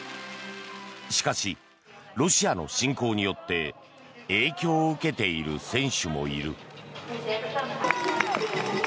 しかし、ロシアの侵攻によって影響を受けている選手もいる。